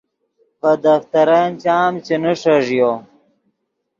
ڤے دفترن چام چے نیݰݱیو